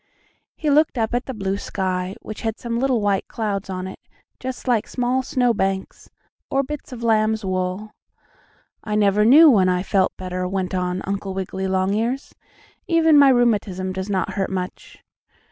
He looked up at the blue sky, which had some little white clouds on it, just like small snowbanks, or bits of lamb's wool. "I never knew when I felt better," went on Uncle Wiggily Longears. "Even my rheumatism does not hurt much."